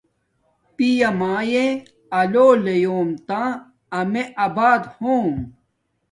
پیامیاے آلو لیوم تا آمے آبات ہوم